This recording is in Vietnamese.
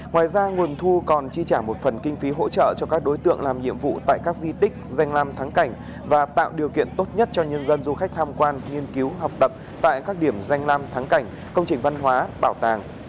ngoài ra nguồn thu còn chi trả một phần kinh phí hỗ trợ cho các đối tượng làm nhiệm vụ tại các di tích danh làm thắng cảnh và tạo điều kiện tốt nhất cho nhân dân du khách tham quan nghiên cứu học tập tại các điểm danh lam thắng cảnh công trình văn hóa bảo tàng